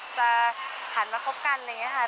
จะหันมาคบกันอะไรอย่างนี้ค่ะ